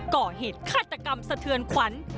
ก่อเหตุฆาตกรรมสะเทือนขวัญ